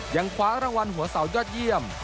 ยังคว้ารางวัลหัวเสายอดเยี่ยม